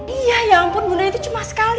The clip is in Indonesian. iya ya ampun bunda itu cuma sekali